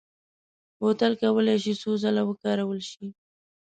بوتل کولای شي څو ځله وکارول شي.